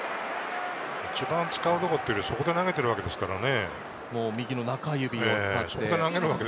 一番使うところっていうより、そこで投げてるわけですからね。